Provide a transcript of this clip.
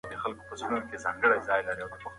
ایا تاسو د تېرو کلونو تاریخ لوستی دی؟